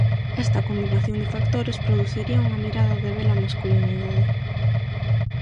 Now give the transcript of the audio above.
Esta combinación de factores produciría unha mirada de bela masculinidade.